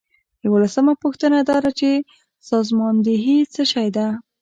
یوولسمه پوښتنه دا ده چې سازماندهي څه شی ده.